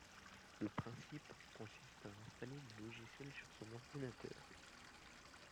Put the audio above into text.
Le principe consiste à installer le logiciel sur son ordinateur.